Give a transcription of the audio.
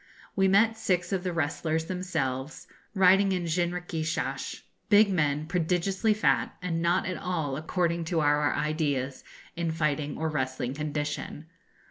We met six of the wrestlers themselves, riding in jinrikishas big men, prodigiously fat, and not at all, according to our ideas, in fighting or wrestling condition.